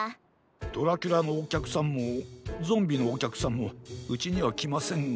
ドラキュラのおきゃくさんもゾンビのおきゃくさんもうちにはきませんが。